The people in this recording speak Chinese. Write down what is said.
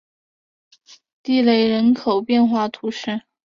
蒂勒人口变化图示